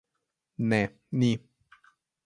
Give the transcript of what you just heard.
Ne, ni.